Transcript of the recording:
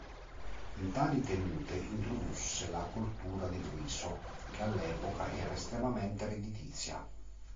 In tali tenute introdusse la coltura del riso che all'epoca era estremamente redditizia.